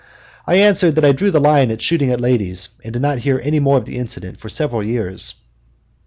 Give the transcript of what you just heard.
I answered that I drew the line at shooting at ladies, and did not hear any more of the incident for several years.